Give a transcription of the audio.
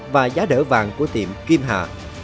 và giá đỡ vàng của tiệm kim hạ